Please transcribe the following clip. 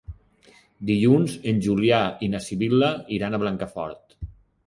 Dilluns en Julià i na Sibil·la iran a Blancafort.